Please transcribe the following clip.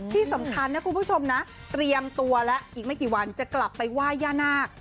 ที่สำคัญนะคุณผู้ชมนะเตรียมตัวแล้วอีกไม่กี่วันจะกลับไปไหว้ย่านาค